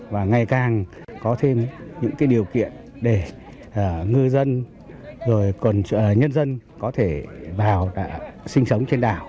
và ngày càng có thêm những điều kiện để ngư dân nhân dân có thể vào sinh sống trên đảo